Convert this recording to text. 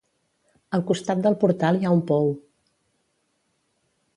Al costat del portal hi ha un pou.